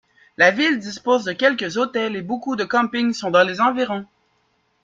La ville dispose de quelques hôtels et beaucoup de campings sont dans les environs.